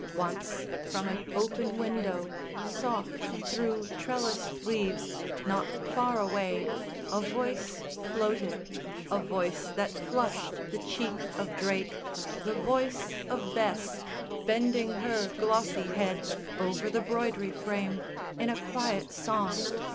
Once, from an open window, soft Through trellised leaves, not far away, a voice Floated, a voice that flushed the cheek of Drake, The voice of Bess, bending her glossy head Over the broidery frame, in a quiet song.